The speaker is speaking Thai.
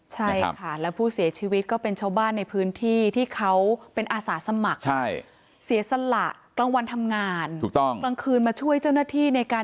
ใช่ค่ะแล้วผู้เสียชีวิตก็เป็นชาวบ้านในพื้นที่ที่เขาเป็นอาสาสมัคร